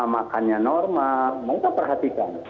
makannya normal mereka perhatikan